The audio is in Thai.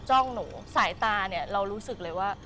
จ้องหนูสายตาเนี่ยเรารู้สึกเลยว่า